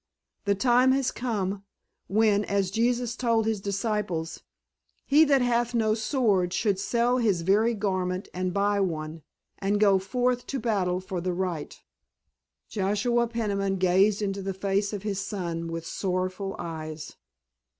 The time has come, when, as Jesus told His disciples, 'He that hath no sword should sell his very garment and buy one' and go forth to battle for the right." Joshua Peniman gazed into the face of his son with sorrowful eyes.